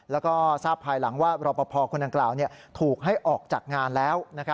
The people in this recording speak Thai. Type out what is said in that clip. แล้วก็ทราบภายหลังว่ารอปภคนดังกล่าวถูกให้ออกจากงานแล้ว